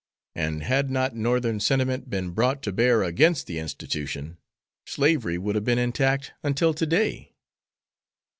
And had not Northern sentiment been brought to bear against the institution, slavery would have been intact until to day."